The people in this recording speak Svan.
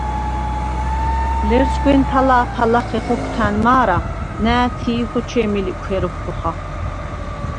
ლერსგვენ თა̄ლა̄ფა ლახე ხოქვთა̈ნ მა̄რა, ნა̄̈თი̄ ხოჩე̄მი ლიკვჰე როქვ ხოხა.